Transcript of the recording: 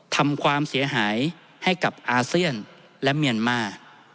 ทำความเสียหายให้กับอาเซียนและเมียนมาร์